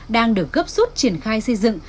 đang được gấp suốt triển khai xây dựng